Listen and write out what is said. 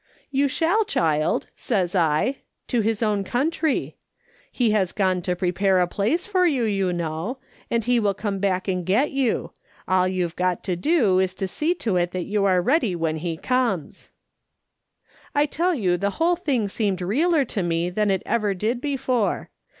"' You shall, child,' says I, ' to his own country. He has gone to prepare a place for you, you know, and he will come back and get you ; all you've got to do is to see to it that you arc ready when he comes.' " I tell you the whole thing seemed rcaler to me than it ever did before.